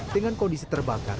dengan kondisi terbakar